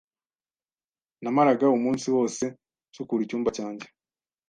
Namaraga umunsi wose nsukura icyumba cyanjye.